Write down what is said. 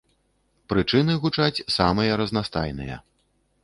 Прычыны гучаць самыя разнастайныя.